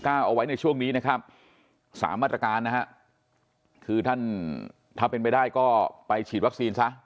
เอาไว้ในช่วงนี้นะครับสามมาตรการนะฮะคือท่านถ้าเป็นไปได้ก็ไปฉีดวัคซีนซะ